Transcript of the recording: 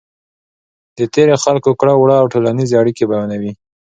د تېرو خلکو کړو وړه او ټولنیزې اړیکې بیانوي.